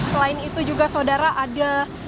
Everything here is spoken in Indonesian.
selain itu juga saudara ada